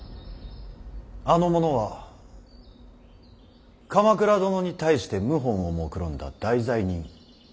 あの者は鎌倉殿に対して謀反をもくろんだ大罪人。